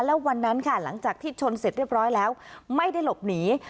แล้ววันนั้นค่ะหลังจากที่ชนเสร็จเรียบร้อยแล้วไม่ได้หลบหนี